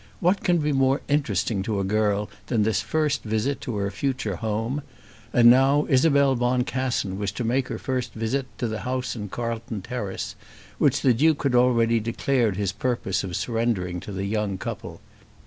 What can be more interesting to a girl than this first visit to her future home? And now Isabel Boncassen was to make her first visit to the house in Carlton Terrace, which the Duke had already declared his purpose of surrendering to the young couple.